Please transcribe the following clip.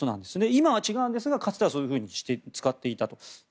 今は違うんですが、かつてはそういうふうに使っていたと。